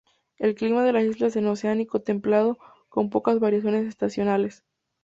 El clima de las islas es oceánico templado, con pocas variaciones estacionales.